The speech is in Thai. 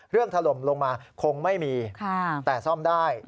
ถล่มลงมาคงไม่มีแต่ซ่อมได้